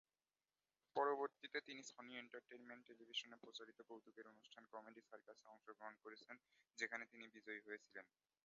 পরবর্তীতে, তিনি Sony Entertainment টেলিভিশনে প্রচারিত কৌতুকের অনুষ্ঠান কমেডি সার্কাসে অংশগ্রহণ করেছেন; যেখানে তিনি বিজয়ী হয়েছিলেন।